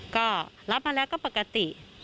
ก็รับมาแล้วก็ปกติ